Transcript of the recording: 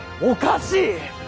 おかしい！